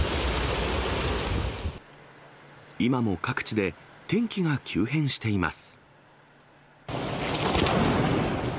今も各地で天気が急変しています。